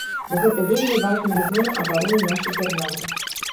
Бо гэта вельмі важная зона абароны нашай дзяржавы.